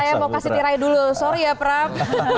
saya mau kasih tirai dulu sorry ya prap